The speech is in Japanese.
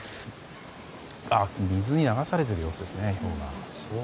水に流されている様子ですねひょうが。